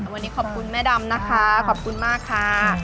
วันนี้ขอบคุณแม่ดำนะคะขอบคุณมากค่ะ